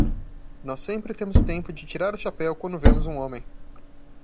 Nós sempre temos tempo de tirar o chapéu quando vemos um homem.